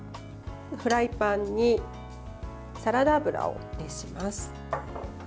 フライパンにサラダ油を熱します。